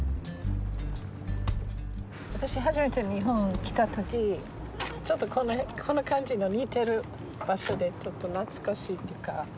私初めて日本来た時ちょっとこんな感じの似てる場所でちょっと懐かしいというか。